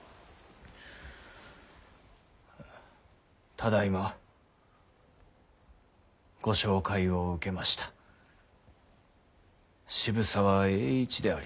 ただいまご紹介を受けました渋沢栄一であります。